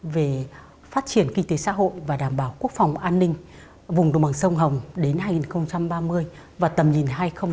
về phát triển kinh tế xã hội và đảm bảo quốc phòng an ninh vùng đồng bằng sông hồng đến hai nghìn ba mươi và tầm nhìn hai nghìn bốn mươi năm